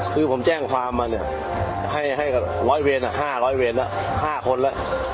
คือผมแจ้งความมาให้กับ๕๐๐เวนแล้ว๕คนแล้ว